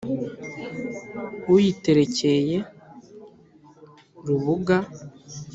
Uyiterekeye Rubuga